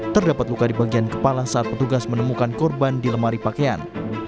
terdapat luka di bagian kepala saat petugas menemukan korban di lemari pakaian